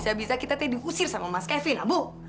aku usir sama mas kevin ambu